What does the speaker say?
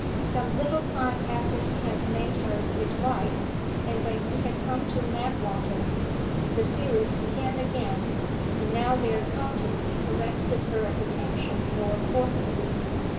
Some little time after he had made her his wife, and when he had come to Knapwater, the series began again, and now their contents arrested her attention more forcibly.